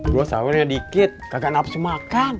gue samperin dikit kagak nafsu makan